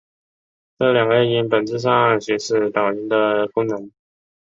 这两个音本质上行使导音的功能。